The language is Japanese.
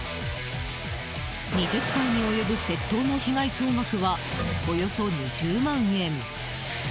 ２０回に及ぶ窃盗の被害総額はおよそ２０万円。